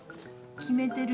決めてるの？